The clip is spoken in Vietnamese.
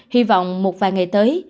hy vọng một vài ngày tới